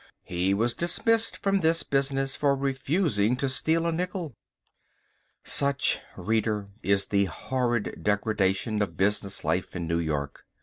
He was dismissed from this business for refusing to steal a nickel. Such, reader, is the horrid degradation of business life in New York.